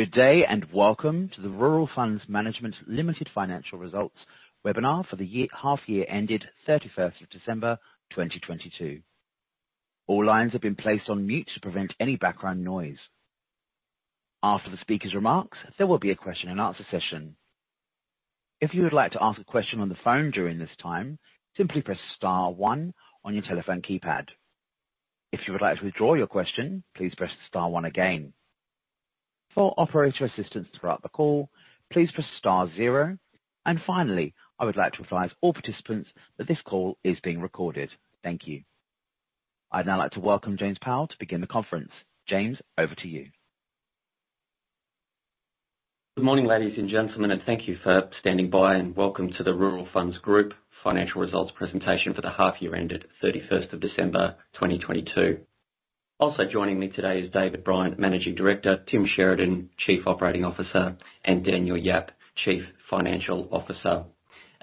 Good day, and welcome to the Rural Funds Management Limited financial results webinar for the half year ended 31 December 2022. All lines have been placed on mute to prevent any background noise. After the speaker's remarks, there will be a question and answer session. If you would like to ask a question on the phone during this time, simply press star 1 on your telephone keypad. If you would like to withdraw your question, please press star 1 again. For operator assistance throughout the call, please press star 0. And finally, I would like to advise all participants that this call is being recorded. Thank you. I'd now like to welcome James Powell to begin the conference. James, over to you. Good morning, ladies and gentlemen, thank you for standing by, and welcome to the Rural Funds Group financial results presentation for the half year ended 31 December 2022. Also joining me today is David Bryant, Managing Director, Tim Sheridan, Chief Operating Officer, and Daniel Yap, Chief Financial Officer.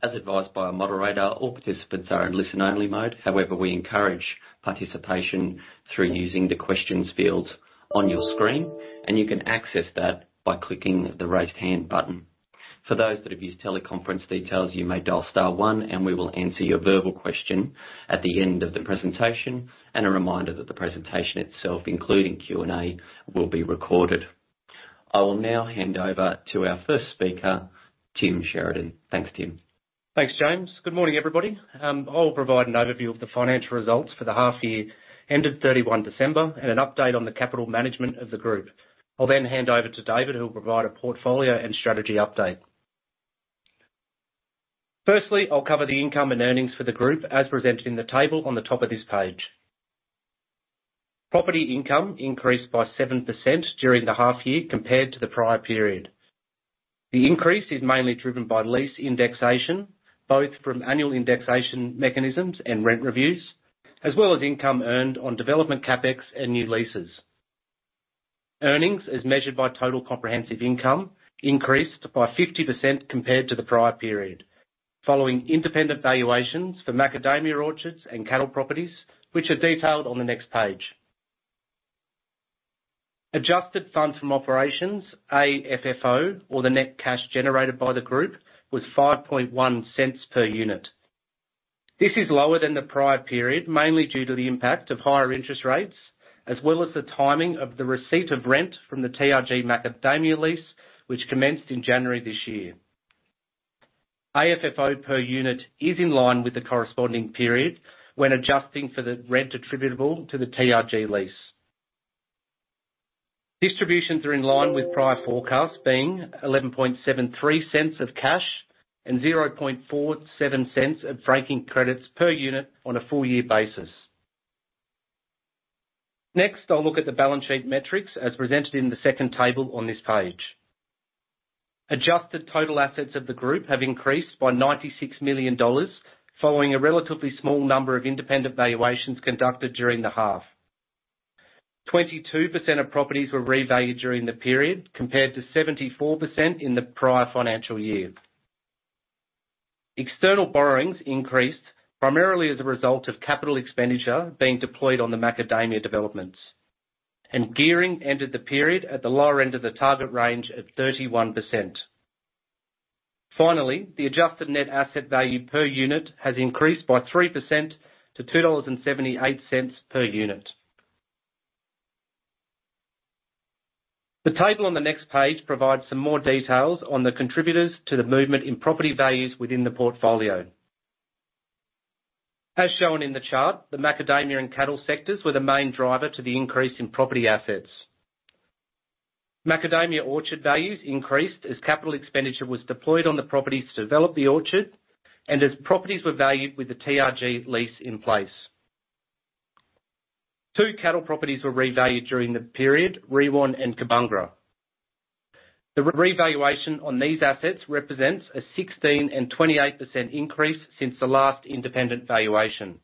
As advised by our moderator, all participants are in listen-only mode. However, we encourage participation through using the questions fields on your screen, and you can access that by clicking the Raise Hand button. For those that have used teleconference details, you may dial star one and we will answer your verbal question at the end of the presentation. A reminder that the presentation itself, including Q&A, will be recorded. I will now hand over to our first speaker, Tim Sheridan. Thanks, Tim. Thanks, James. Good morning, everybody. I'll provide an overview of the financial results for the half year ended 31 December 2022, and an update on the capital management of the group. I'll then hand over to David, who will provide a portfolio and strategy update. Firstly, I'll cover the income and earnings for the group as presented in the table on the top of this page. Property income increased by 7% during the half year compared to the prior period. The increase is mainly driven by lease indexation, both from annual indexation mechanisms and rent reviews, as well as income earned on development CapEx and new leases. Earnings, as measured by total comprehensive income, increased by 50% compared to the prior period, following independent valuations for macadamia orchards and cattle properties, which are detailed on the next page. Adjusted funds from operations, AFFO, or the net cash generated by the group, was 0.051 per unit. This is lower than the prior period, mainly due to the impact of higher interest rates, as well as the timing of the receipt of rent from the TRG macadamia lease, which commenced in January this year. AFFO per unit is in line with the corresponding period when adjusting for the rent attributable to the TRG lease. Distributions are in line with prior forecasts, being 0.1173 of cash and 0.0047 of franking credits per unit on a full year basis. I'll look at the balance sheet metrics as presented in the second table on this page. Adjusted total assets of the group have increased by 96 million dollars, following a relatively small number of independent valuations conducted during the half. 22% of properties were revalued during the period, compared to 74% in the prior financial year. External borrowings increased primarily as a result of capital expenditure being deployed on the macadamia developments, gearing entered the period at the lower end of the target range of 31%. Finally, the adjusted net asset value per unit has increased by 3% to 2.78 dollars per unit. The table on the next page provides some more details on the contributors to the movement in property values within the portfolio. As shown in the chart, the macadamia and cattle sectors were the main driver to the increase in property assets. Macadamia orchard values increased as capital expenditure was deployed on the properties to develop the orchard and as properties were valued with the TRG lease in place. Two cattle properties were revalued during the period, Rewan and Kybunga. The revaluation on these assets represents a 16% and 28% increase since the last independent valuation.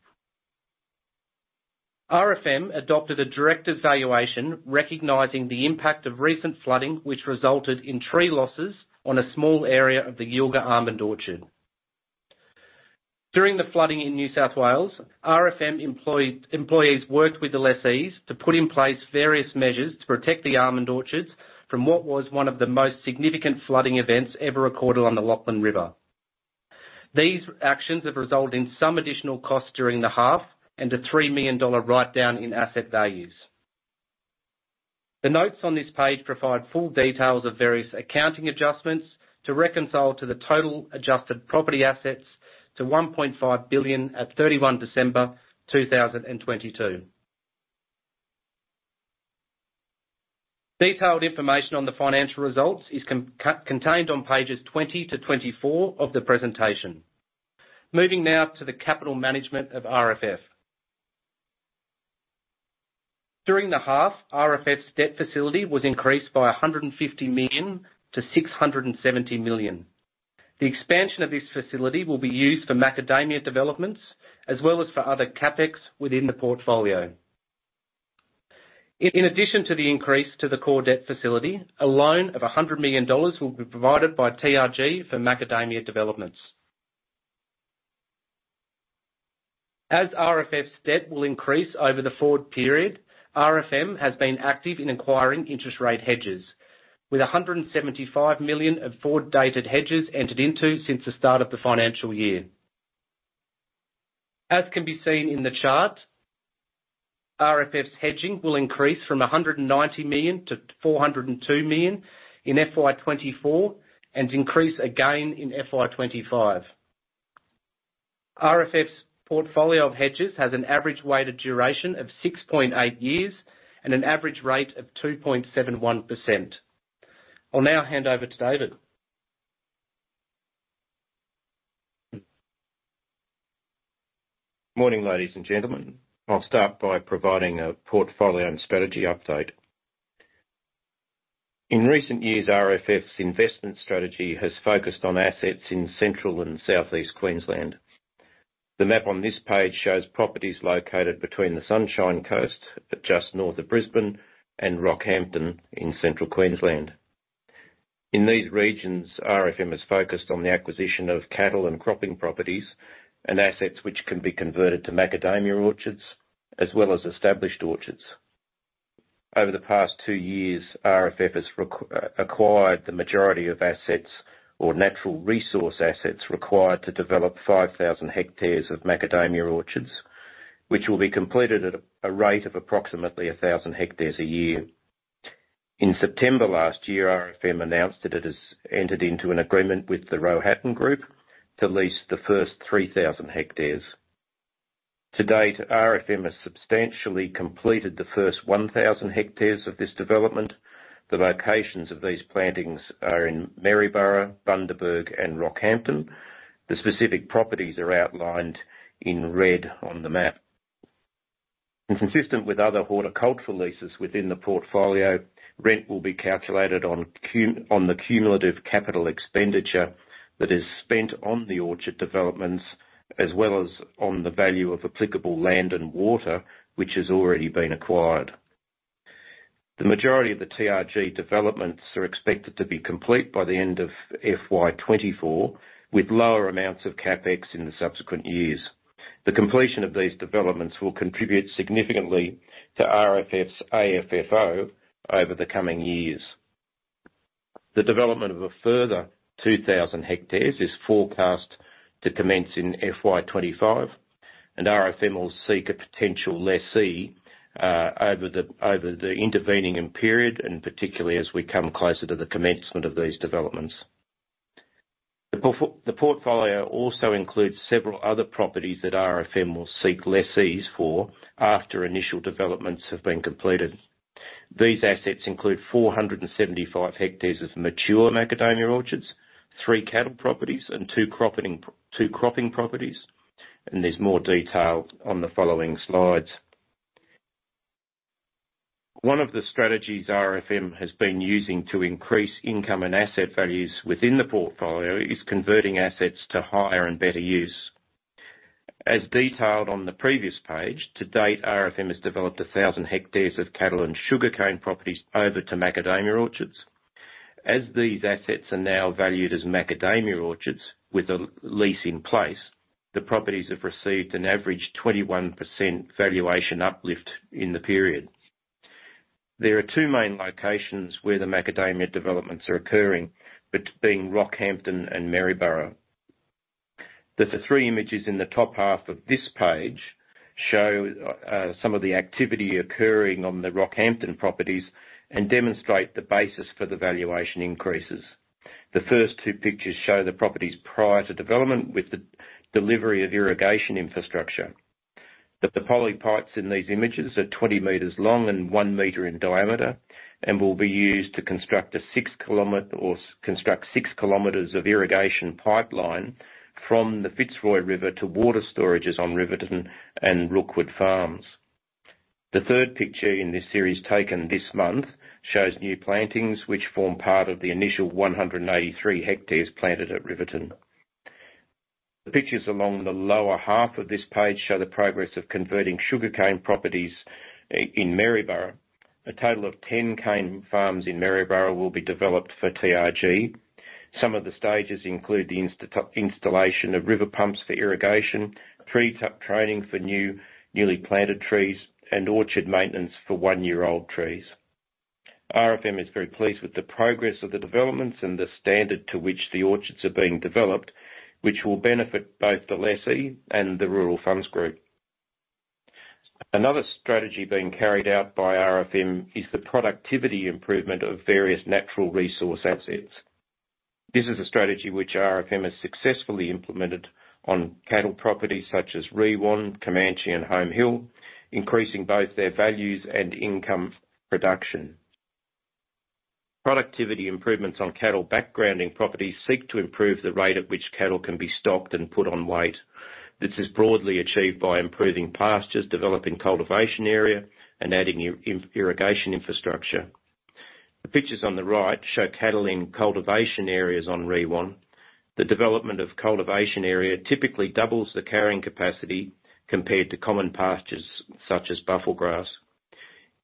RFM adopted a directed valuation recognizing the impact of recent flooding, which resulted in tree losses on a small area of the Yilgah almond orchard. During the flooding in New South Wales, RFM employees worked with the lessees to put in place various measures to protect the almond orchards from what was one of the most significant flooding events ever recorded on the Lachlan River. These actions have resulted in some additional costs during the half and a 3 million dollar write down in asset values. The notes on this page provide full details of various accounting adjustments to reconcile to the total adjusted property assets to 1.5 billion at 31 December 2022. Detailed information on the financial results is contained on pages 20 to 24 of the presentation. Moving now to the capital management of RFF. During the half, RFF's debt facility was increased by 150 million to 670 million. The expansion of this facility will be used for macadamia developments as well as for other CapEx within the portfolio. In addition to the increase to the core debt facility, a loan of 100 million dollars will be provided by TRG for macadamia developments. As RFF's debt will increase over the forward period, RFM has been active in acquiring interest rate hedges. With 175 million of forward-dated hedges entered into since the start of the financial year. As can be seen in the chart, RFF's hedging will increase from 190 million to 402 million in FY 2024, and increase again in FY 2025. RFF's portfolio of hedges has an average weighted duration of 6.8 years and an average rate of 2.71%. I'll now hand over to David. Morning, ladies and gentlemen. I'll start by providing a portfolio and strategy update. In recent years, RFF's investment strategy has focused on assets in Central and Southeast Queensland. The map on this page shows properties located between the Sunshine Coast, just north of Brisbane, and Rockhampton in Central Queensland. In these regions, RFM is focused on the acquisition of cattle and cropping properties and assets which can be converted to macadamia orchards, as well as established orchards. Over the past two years, RFF has acquired the majority of assets or natural resource assets required to develop 5,000 hectares of macadamia orchards, which will be completed at a rate of approximately 1,000 hectares a year. In September last year, RFM announced that it has entered into an agreement with The Rohatyn Group to lease the first 3,000 hectares. To date, RFM has substantially completed the first 1,000 hectares of this development. The locations of these plantings are in Maryborough, Bundaberg, and Rockhampton. The specific properties are outlined in red on the map. Consistent with other horticultural leases within the portfolio, rent will be calculated on the cumulative capital expenditure that is spent on the orchard developments as well as on the value of applicable land and water, which has already been acquired. The majority of the TRG developments are expected to be complete by the end of FY 2024, with lower amounts of CapEx in the subsequent years. The completion of these developments will contribute significantly to RFF's AFFO over the coming years. The development of a further 2,000 hectares is forecast to commence in FY 2025. RFM will seek a potential lessee over the intervening period and particularly as we come closer to the commencement of these developments. The portfolio also includes several other properties that RFM will seek lessees for after initial developments have been completed. These assets include 475 hectares of mature macadamia orchards, 3 cattle properties and 2 cropping properties. There's more detail on the following slides. One of the strategies RFM has been using to increase income and asset values within the portfolio is converting assets to higher and better use. As detailed on the previous page, to date, RFM has developed 1,000 hectares of cattle and sugarcane properties over to macadamia orchards. As these assets are now valued as macadamia orchards with a lease in place, the properties have received an average 21% valuation uplift in the period. There are 2 main locations where the macadamia developments are occurring, that being Rockhampton and Maryborough. The 3 images in the top half of this page show some of the activity occurring on the Rockhampton properties and demonstrate the basis for the valuation increases. The first 2 pictures show the properties prior to development with the delivery of irrigation infrastructure. The poly pipes in these images are 20 meters long and 1 meter in diameter and will be used to construct a 6-kilometer or construct 6 kilometers of irrigation pipeline from the Fitzroy River to water storages on Riverton and Rookwood Farms. The third picture in this series, taken this month, shows new plantings which form part of the initial 183 hectares planted at Riverton. The pictures along the lower half of this page show the progress of converting sugarcane properties in Maryborough. A total of 10 cane farms in Maryborough will be developed for TRG. Some of the stages include the installation of river pumps for irrigation, tree lop training for newly planted trees, and orchard maintenance for 1-year-old trees. RFM is very pleased with the progress of the developments and the standard to which the orchards are being developed, which will benefit both the lessee and the Rural Funds Group. Another strategy being carried out by RFM is the productivity improvement of various natural resource assets. This is a strategy which RFM has successfully implemented on cattle properties such as Rewan, Comanche and Home Hill, increasing both their values and income production. Productivity improvements on cattle backgrounding properties seek to improve the rate at which cattle can be stocked and put on weight. This is broadly achieved by improving pastures, developing cultivation area, and adding irrigation infrastructure. The pictures on the right show cattle in cultivation areas on Rewan. The development of cultivation area typically doubles the carrying capacity compared to common pastures such as buffel grass.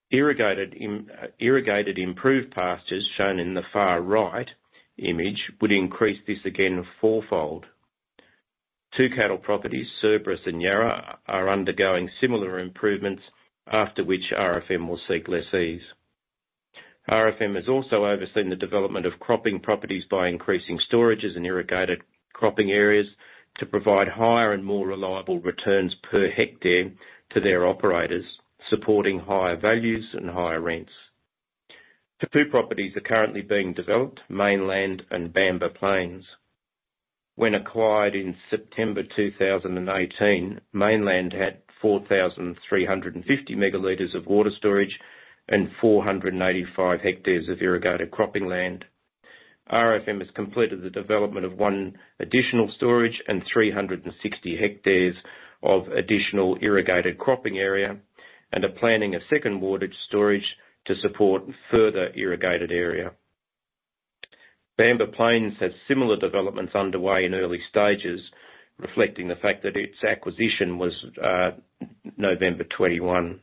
Irrigated improved pastures shown in the far right image would increase this again four-fold. Two cattle properties, Cerberus and Yarra, are undergoing similar improvements, after which RFM will seek lessees. RFM has also overseen the development of cropping properties by increasing storages and irrigated cropping areas to provide higher and more reliable returns per hectare to their operators, supporting higher values and higher rents. The two properties are currently being developed, Maylands and Bamber Plains. When acquired in September 2018, Maylands had 4,350 megaliters of water storage and 485 hectares of irrigated cropping land. RFM has completed the development of 1 additional storage and 360 hectares of additional irrigated cropping area and are planning a 2nd water storage to support further irrigated area. Bamber Plains has similar developments underway in early stages, reflecting the fact that its acquisition was November 2021.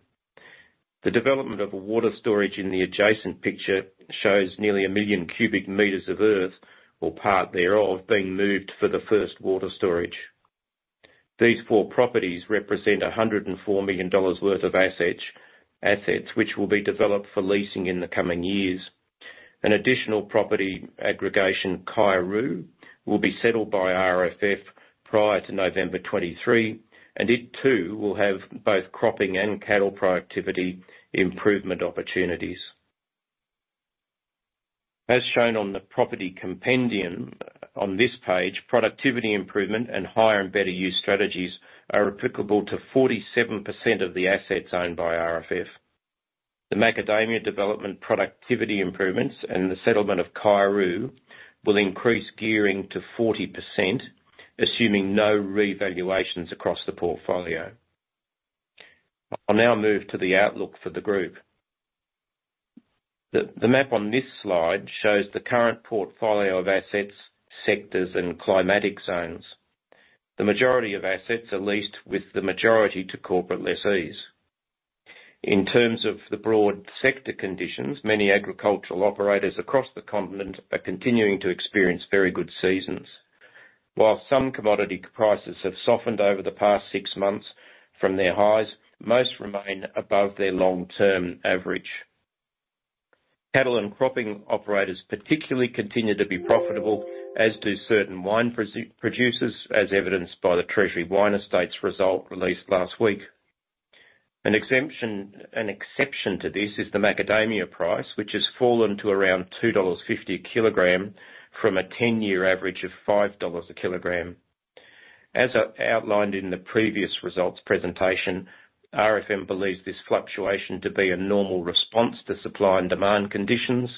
The development of a water storage in the adjacent picture shows nearly 1 million cubic meters of earth, or part thereof, being moved for the first water storage. These four properties represent 104 million dollars worth of assets, which will be developed for leasing in the coming years. An additional property aggregation, Kaiuro, will be settled by RFF prior to November 2023, and it too will have both cropping and cattle productivity improvement opportunities. As shown on the property compendium on this page, productivity improvement and higher and better use strategies are applicable to 47% of the assets owned by RFF. The macadamia development productivity improvements and the settlement of Kaiuro will increase gearing to 40%, assuming no revaluations across the portfolio. I'll now move to the outlook for the group. The map on this slide shows the current portfolio of assets, sectors and climatic zones. The majority of assets are leased with the majority to corporate lessees. In terms of the broad sector conditions, many agricultural operators across the continent are continuing to experience very good seasons. While some commodity prices have softened over the past 6 months from their highs, most remain above their long-term average. Cattle and cropping operators particularly continue to be profitable, as do certain wine producers, as evidenced by the Treasury Wine Estates result released last week. An exception to this is the macadamia price, which has fallen to around 2.50 dollars a kilogram from a 10-year average of 5 dollars a kilogram. As I outlined in the previous results presentation, RFM believes this fluctuation to be a normal response to supply and demand conditions,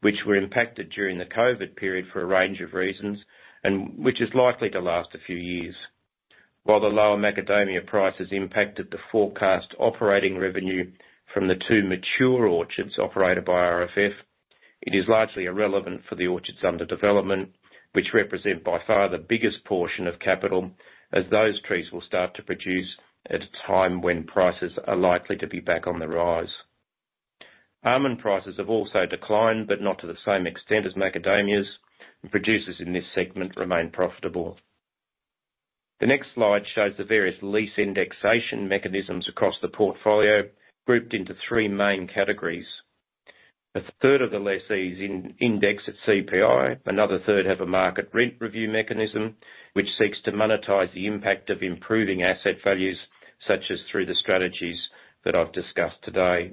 which were impacted during the COVID period for a range of reasons, and which is likely to last a few years. While the lower macadamia price has impacted the forecast operating revenue from the 2 mature orchards operated by RFF, it is largely irrelevant for the orchards under development, which represent by far the biggest portion of capital, as those trees will start to produce at a time when prices are likely to be back on the rise. Almond prices have also declined, not to the same extent as macadamias. Producers in this segment remain profitable. The next slide shows the various lease indexation mechanisms across the portfolio, grouped into 3 main categories. A third of the lessees indexed at CPI. Another third have a market rent review mechanism, which seeks to monetize the impact of improving asset values, such as through the strategies that I've discussed today.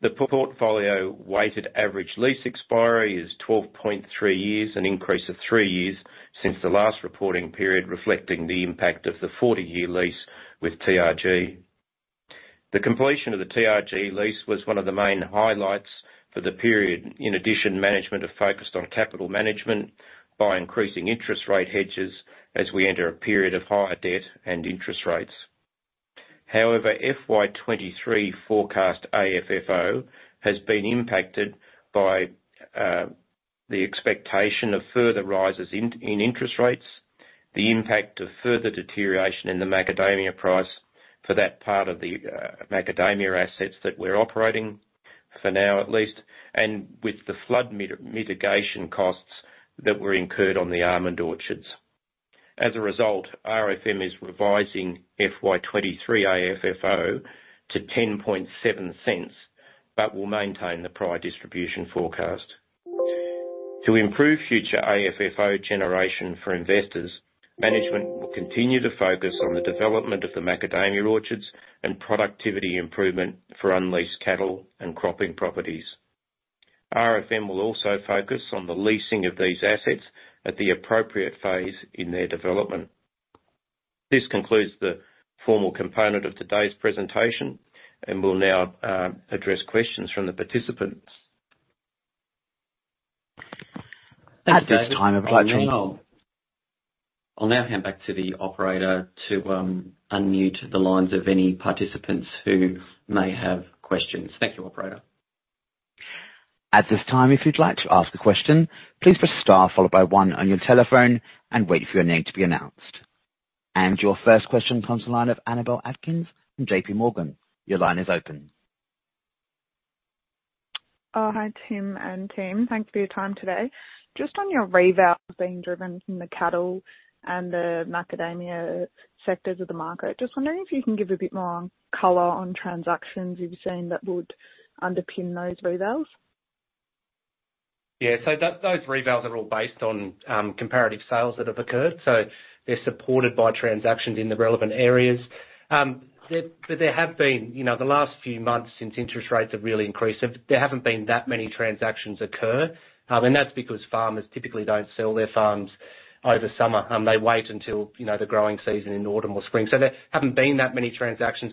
The portfolio weighted average lease expiry is 12.3 years, an increase of 3 years since the last reporting period, reflecting the impact of the 40-year lease with TRG. The completion of the TRG lease was one of the main highlights for the period. In addition, management have focused on capital management by increasing interest rate hedges as we enter a period of higher debt and interest rates. However, FY 2023 forecast AFFO has been impacted by the expectation of further rises in interest rates, the impact of further deterioration in the macadamia price for that part of the macadamia assets that we're operating, for now at least, and with the flood mitigation costs that were incurred on the almond orchards. As a result, RFM is revising FY 2023 AFFO to 0.107, but will maintain the prior distribution forecast. To improve future AFFO generation for investors, management will continue to focus on the development of the macadamia orchards and productivity improvement for unleased cattle and cropping properties. RFM will also focus on the leasing of these assets at the appropriate phase in their development. This concludes the formal component of today's presentation, and we'll now address questions from the participants. At this time, I'd like. I mean, I'll now hand back to the operator to unmute the lines of any participants who may have questions. Thank you, operator At this time, if you'd like to ask a question, please press star followed by one on your telephone and wait for your name to be announced. Your first question comes from the line of Annabelle Diddams from JPMorgan. Your line is open. Oh, hi, Tim and team. Thanks for your time today. Just on your revals being driven from the cattle and the macadamia sectors of the market, just wondering if you can give a bit more color on transactions you've seen that would underpin those revals? Yeah. Those revals are all based on comparative sales that have occurred, so they're supported by transactions in the relevant areas. There have been, you know, the last few months since interest rates have really increased, there haven't been that many transactions occur, and that's because farmers typically don't sell their farms over summer and they wait until, you know, the growing season in autumn or spring. There haven't been that many transactions.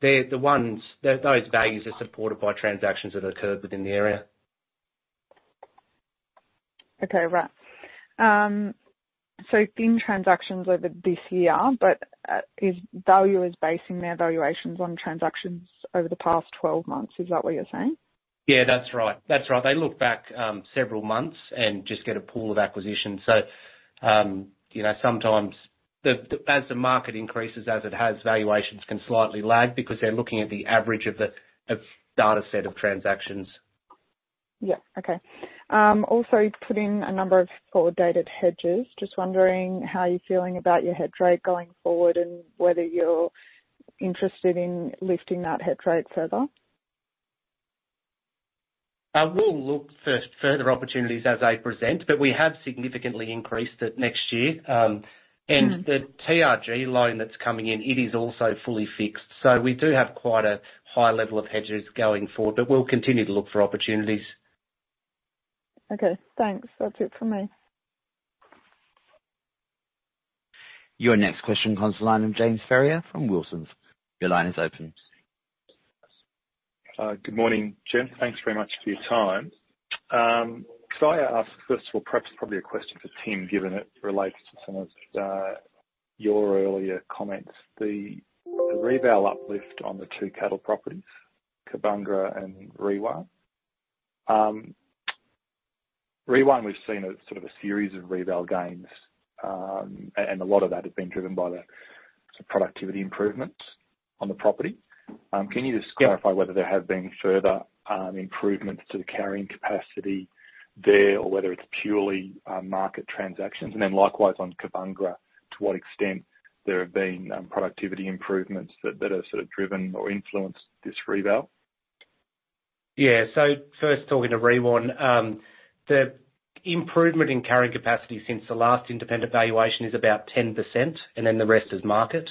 They're the ones those values are supported by transactions that occurred within the area. Okay. Right. thin transactions over this year, but, valuers basing their valuations on transactions over the past 12 months? Is that what you're saying? Yeah. That's right. That's right. They look back, several months and just get a pool of acquisitions. You know, sometimes, as the market increases, as it has, valuations can slightly lag because they're looking at the average of the data set of transactions. Yeah. Okay. Also, you've put in a number of forward-dated hedges. Just wondering how you're feeling about your hedge rate going forward and whether you're interested in lifting that hedge rate further? I will look for further opportunities as they present, but we have significantly increased it next year. Mm-hmm. The TRG loan that's coming in, it is also fully fixed. We do have quite a high level of hedges going forward, but we'll continue to look for opportunities. Okay, thanks. That's it from me. Your next question comes to the line of James Ferrier from Wilsons. Your line is open. Good morning, Jim. Thanks very much for your time. Could I ask, first of all, perhaps probably a question for Tim, given it relates to some of your earlier comments? The reval uplift on the two cattle properties, Kybunga and Rewan. Rewan we've seen as sort of a series of reval gains, a lot of that has been driven by the sort of productivity improvements on the property. Yeah. Clarify whether there have been further improvements to the carrying capacity there or whether it's purely market transactions. Likewise on Kybunga, to what extent there have been productivity improvements that have sort of driven or influenced this reval? First talking to Rewan, the improvement in carrying capacity since the last independent valuation is about 10% and then the rest is market.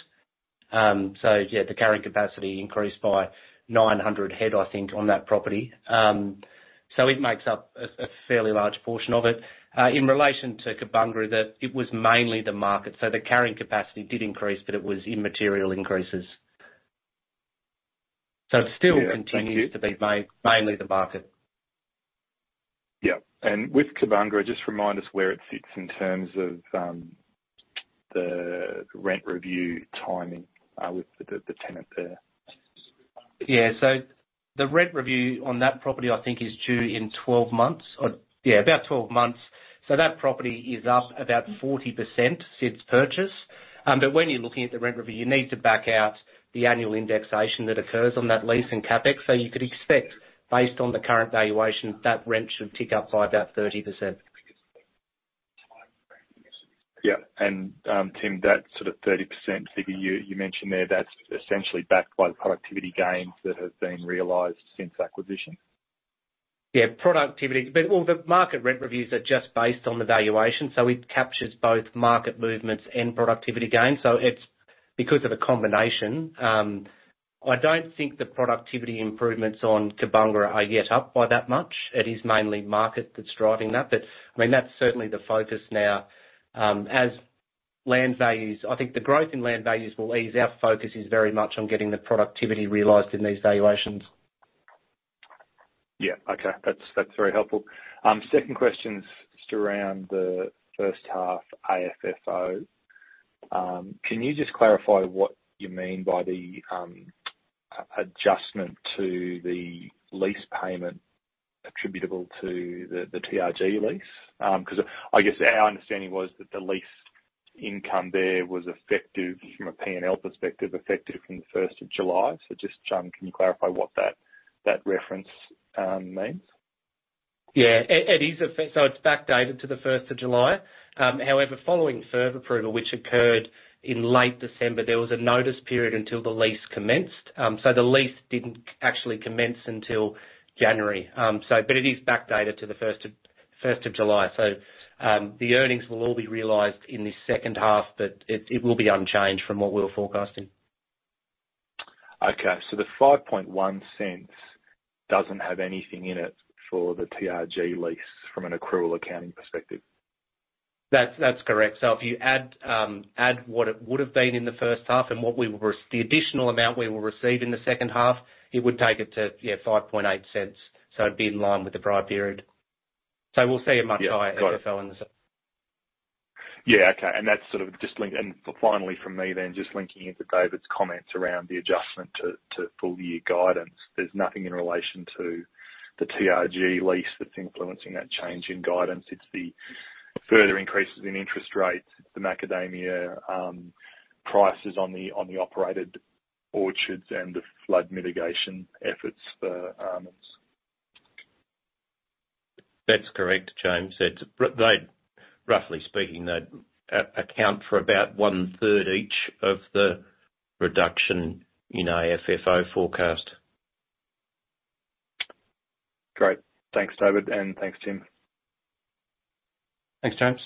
The carrying capacity increased by 900 head, I think, on that property. It makes up a fairly large portion of it. In relation to Kybunga, it was mainly the market, the carrying capacity did increase, but it was immaterial increases. Yeah. Thank you. It still continues to be mainly the market. Yeah. With Kybunga, just remind us where it sits in terms of the rent review timing with the tenant there? The rent review on that property I think is due in 12 months or yeah, about 12 months. That property is up about 40% since purchase. But when you're looking at the rent review, you need to back out the annual indexation that occurs on that lease and CapEx. You could expect based on the current valuation, that rent should tick up by about 30%. Yeah. Tim, that sort of 30% figure you mentioned there, that's essentially backed by the productivity gains that have been realized since acquisition. All the market rent reviews are just based on the valuation, so it captures both market movements and productivity gains. It's because of the combination. I don't think the productivity improvements on Kybunga are yet up by that much. It is mainly market that's driving that. I mean, that's certainly the focus now, as land values, I think the growth in land values will ease. Our focus is very much on getting the productivity realized in these valuations. Yeah. Okay. That's very helpful. Second question is just around the first half AFFO. Can you just clarify what you mean by the adjustment to the lease payment attributable to the TRG lease? 'Cause I guess our understanding was that the lease income there was effective from a P&L perspective, effective from the first of July. Just can you clarify what that reference means? It is backdated to the first of July. However, following FIRB approval, which occurred in late December, there was a notice period until the lease commenced. The lease didn't actually commence until January. But it is backdated to the first of July. The earnings will all be realized in this second half, but it will be unchanged from what we were forecasting. Okay. The 0.051 doesn't have anything in it for the TRG lease from an accrual accounting perspective. That's correct. If you add what it would have been in the first half and what we will receive as the additional amount in the second half, it would take it to, yeah, 0.058. It'd be in line with the prior period. We'll see a much higher- Yeah. Got it. AFFO in the second Yeah. Okay. Finally from me then, just linking into David's comments around the adjustment to full year guidance. There's nothing in relation to the TRG lease that's influencing that change in guidance. It's the further increases in interest rates, the macadamia prices on the operated orchards and the flood mitigation efforts for almonds. That's correct, James. Roughly speaking, they account for about one-third each of the reduction in our FFO forecast. Great. Thanks, David, and thanks, Tim. Thanks, James.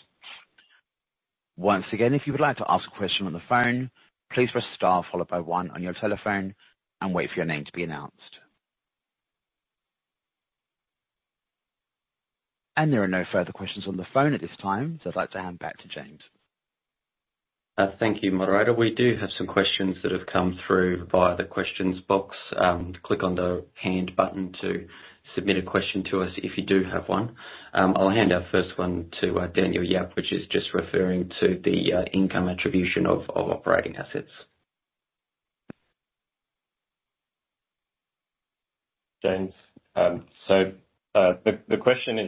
Once again, if you would like to ask a question on the phone, please press star followed by one on your telephone and wait for your name to be announced. There are no further questions on the phone at this time. I'd like to hand back to James. Thank you, moderator. We do have some questions that have come through via the questions box. Click on the hand button to submit a question to us if you do have one. I'll hand our first one to Daniel Yap, which is just referring to the income attribution of operating assets. James, the question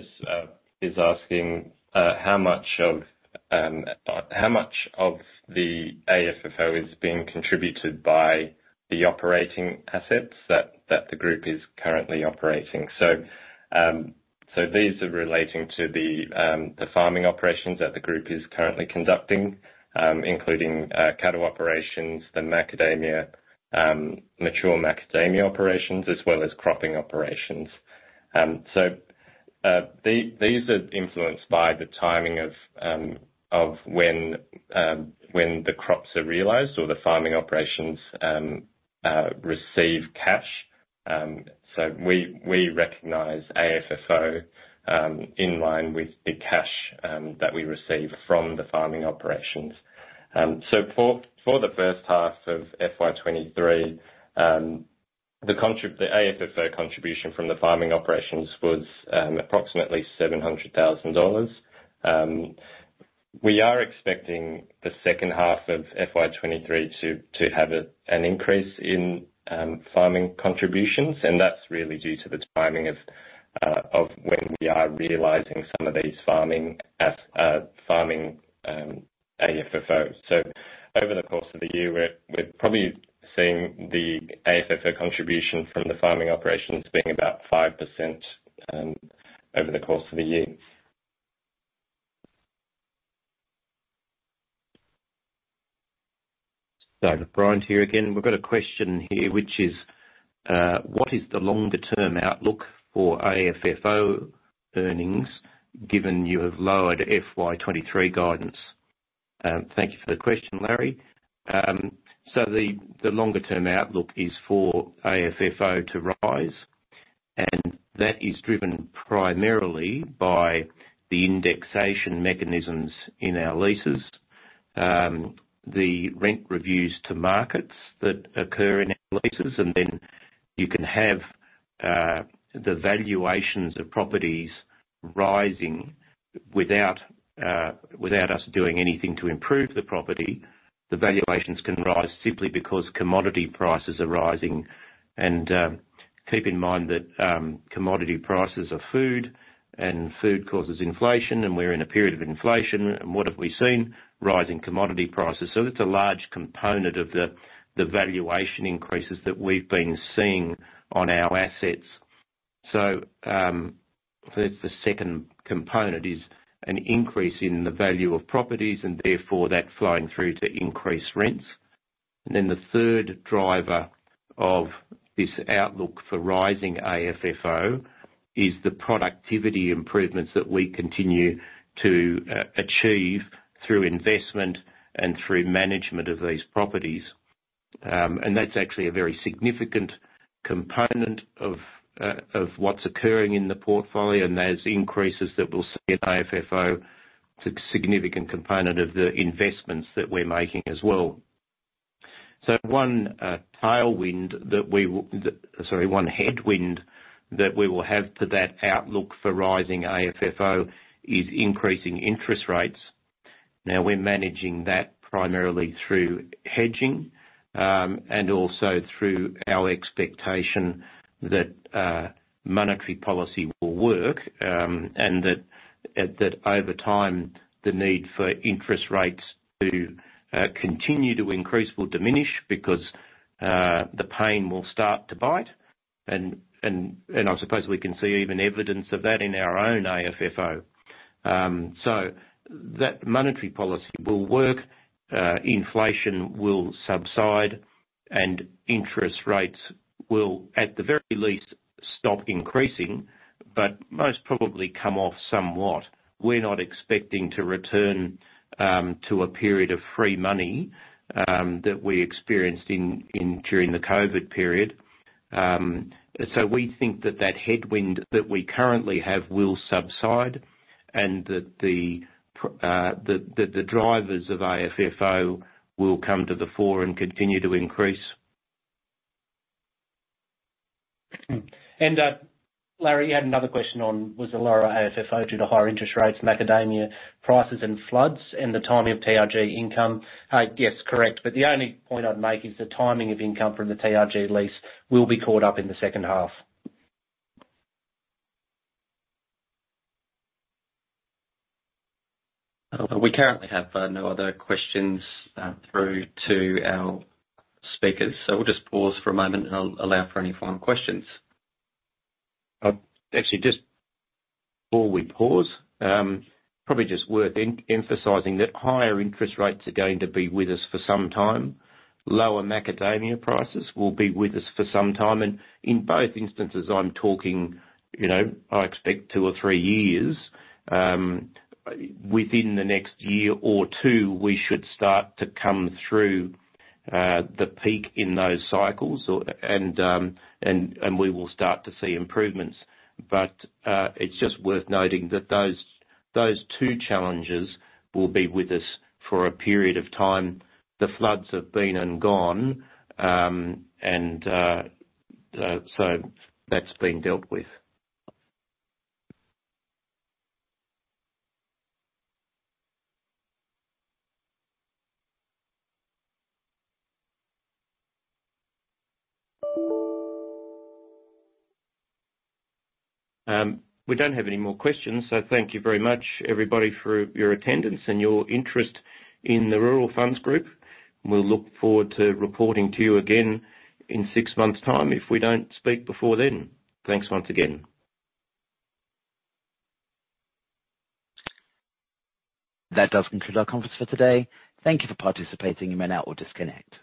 is asking how much of the AFFO is being contributed by the operating assets that the group is currently operating. These are relating to the farming operations that the group is currently conducting, including cattle operations, the macadamia, mature macadamia operations, as well as cropping operations. These are influenced by the timing of when the crops are realized or the farming operations receive cash. We recognize AFFO in line with the cash that we receive from the farming operations. For the first half of FY23, the AFFO contribution from the farming operations was approximately 700,000 dollars. We are expecting the second half of FY23 to have an increase in farming contributions. That's really due to the timing of when we are realizing some of these farming AFFO. Over the course of the year, we're probably seeing the AFFO contribution from the farming operations being about 5% over the course of the year. David Bryant here again. We've got a question here which is, what is the longer term outlook for AFFO earnings given you have lowered FY 2023 guidance? Thank you for the question, Larry. The longer term outlook is for AFFO to rise, and that is driven primarily by the indexation mechanisms in our leases, the rent reviews to markets that occur in our leases. Then you can have the valuations of properties rising without us doing anything to improve the property. The valuations can rise simply because commodity prices are rising. Keep in mind that commodity prices are food and food causes inflation, and we're in a period of inflation. What have we seen? Rising commodity prices. That's a large component of the valuation increases that we've been seeing on our assets. That's the second component is an increase in the value of properties and therefore that flowing through to increased rents. The third driver of this outlook for rising AFFO is the productivity improvements that we continue to achieve through investment and through management of these properties. That's actually a very significant component of what's occurring in the portfolio. There's increases that we'll see in AFFO. It's a significant component of the investments that we're making as well. Sorry, one headwind that we will have for that outlook for rising AFFO is increasing interest rates. Now we're managing that primarily through hedging, and also through our expectation that monetary policy will work, and that over time, the need for interest rates to continue to increase will diminish because the pain will start to bite. I suppose we can see even evidence of that in our own AFFO. That monetary policy will work, inflation will subside, and interest rates will, at the very least, stop increasing, but most probably come off somewhat. We're not expecting to return to a period of free money that we experienced during the COVID period. We think that that headwind that we currently have will subside and that the drivers of AFFO will come to the fore and continue to increase. Larry, you had another question on was the lower AFFO due to higher interest rates, macadamia prices and floods and the timing of TRG income? Yes, correct. The only point I'd make is the timing of income from the TRG lease will be caught up in the second half. We currently have no other questions through to our speakers. We'll just pause for a moment and allow for any final questions. Actually, just before we pause, probably just worth emphasizing that higher interest rates are going to be with us for some time. Lower macadamia prices will be with us for some time. In both instances, I'm talking, you know, I expect two or three years. Within the next year or two, we should start to come through the peak in those cycles or and we will start to see improvements. It's just worth noting that those two challenges will be with us for a period of time. The floods have been and gone, and that's been dealt with. We don't have any more questions, thank you very much, everybody, for your attendance and your interest in the Rural Funds Group. We'll look forward to reporting to you again in six months time if we don't speak before then. Thanks once again. That does conclude our conference for today. Thank you for participating. You may now disconnect.